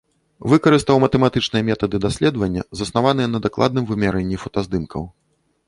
Выкарыстаў матэматычныя метады даследавання, заснаваныя на дакладным вымярэнні фотаздымкаў.